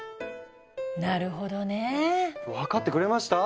なるほどね。分かってくれました？